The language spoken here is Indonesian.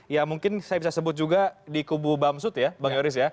ya mungkin saya bisa sebut juga di kubu bamsud ya bang yoris ya